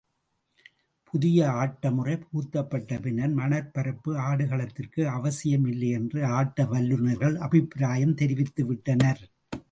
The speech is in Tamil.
புதிய ஆட்டமுறை புகுத்தப்பட்ட பின்னர், மணற்பரப்பு ஆடுகளத்திற்கு அவசியம் இல்லை என்று ஆட்ட வல்லுநர்கள் அபிப்ராயம் தெரிவித்துவிட்டனர்.